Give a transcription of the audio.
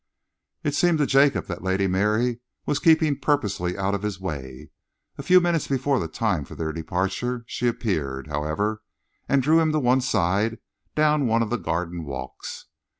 It seemed to Jacob that Lady Mary was keeping purposely out of his way. At a few minutes before the time for their departure, she appeared, however, and drew him to one side down one of the garden walks.